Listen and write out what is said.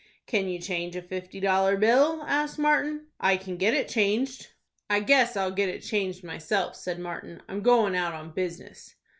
"Can you change a fifty dollar bill?" asked Martin. "I can get it changed." "I guess I'll get it changed myself," said Martin. "I'm goin' out on business."